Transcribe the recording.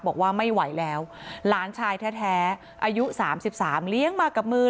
บอกว่าไม่ไหวแล้วหลานชายแท้อายุ๓๓เลี้ยงมากับมือ